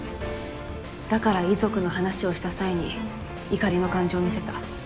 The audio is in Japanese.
だから遺族の話をした際に「怒り」の感情を見せた。